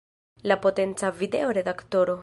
La potenca video redaktoro.